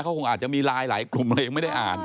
เขาคงอาจจะมีไลน์หลายกลุ่มเลยยังไม่ได้อ่าน